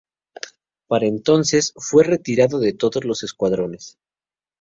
Para entonces, fue retirado de todos los escuadrones.